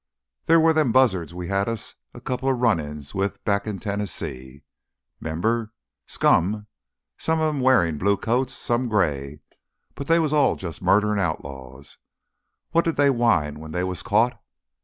There were them buzzards we had us a coupla run ins with back in Tennessee, 'member? Scum ... some of 'em wearin' blue coats, some gray, but they was all jus' murderin' outlaws. What did they whine when they was caught?